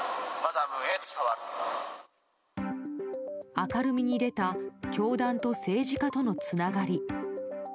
明るみに出た教団と政治家とのつながり。